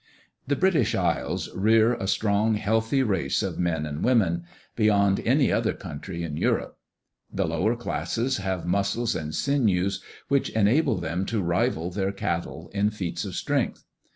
The British isles rear a strong healthy race of men and women, beyond any other country in Europe. The lower classes have muscles and sinews which enable them to rival their cattle in feats of strength.